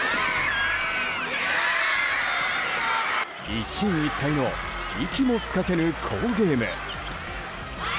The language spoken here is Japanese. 一進一退の息もつかせぬ好ゲーム。